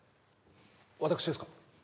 私ですか？